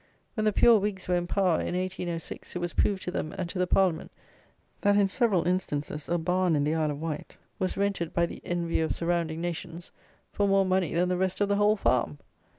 When the pure Whigs were in power, in 1806, it was proved to them and to the Parliament, that in several instances, a barn in the Isle of Wight was rented by the "envy of surrounding nations" for more money than the rest of the whole farm!